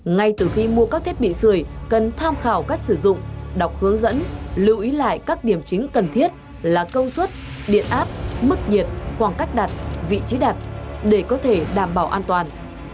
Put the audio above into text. ngay từ khi mua các thiết bị sửa cần tham khảo cách sử dụng đọc hướng dẫn lưu ý lại các điểm chính cần thiết là công suất điện áp mức nhiệt khoảng cách đặt vị trí đặt để có thể đảm bảo an toàn